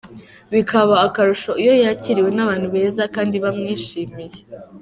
Bikaba akarusho iyo yakiriwe n’abantu beza kandi bamwishimiye.